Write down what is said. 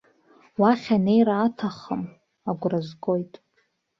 Уахь анеира аҭахым, агәра згоит.